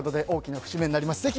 大きな節目になります。